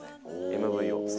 ＭＶを。